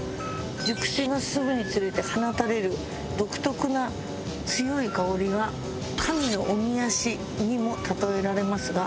「熟成が進むにつれて放たれる独特な強い香りは“神のおみ足”にも例えられますが」。